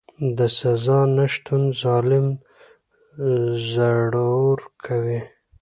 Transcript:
د سزا نشتون ظالم زړور کوي.